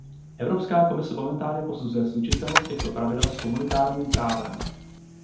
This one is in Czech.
Evropská komise momentálně posuzuje slučitelnost těchto pravidel s komunitárním právem.